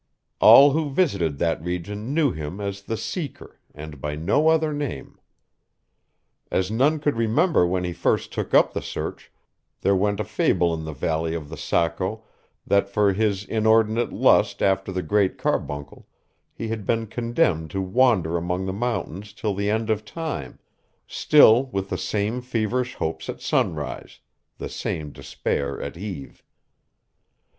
All who visited that region knew him as the Seeker and by no other name. As none could remember when he first took up the search, there went a fable in the valley of the Saco, that for his inordinate lust after the Great Carbuncle, he had been condemned to wander among the mountains till the end of time, still with the same feverish hopes at sunrise the same despair at eve.